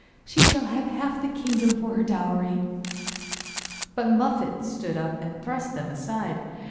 She shall have half the kingdom for her dowry.' But Muffette stood up and thrust them aside.